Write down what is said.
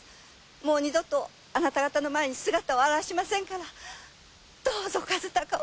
もう二度とあなた方の前に姿を現しませんからどうぞ和鷹を。